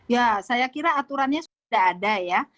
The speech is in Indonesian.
ya saya kira aturannya sudah ada ya